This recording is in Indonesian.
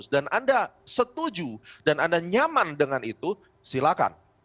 dan anda setuju dan anda nyaman dengan itu silakan